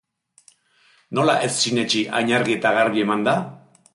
Nola ez sinetsi hain argi eta garbi erranda?